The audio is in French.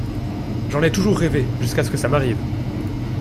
J’en ai toujours rêvé, jusqu’à ce que ça m’arrive.